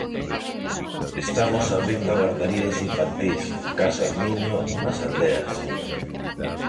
Estamos abrindo garderías infantís, casas niño, nas aldeas.